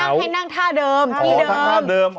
คำว่าให้นั่งท่าเดิมที่เดิม